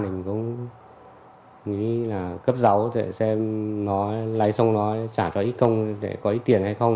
mình cũng nghĩ là cất giấu để xem nó lấy xong nó trả cho ít công để có ít tiền hay không